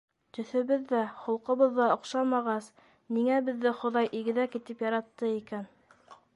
Төҫөбөҙ ҙә, холҡобоҙ ҙа оҡшамағас, ниңә беҙҙе Хоҙай игеҙәк итеп яратты икән?